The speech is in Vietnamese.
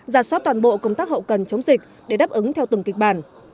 giả soát toàn bộ công tác hậu cần chống dịch để đáp ứng theo từng kịch bản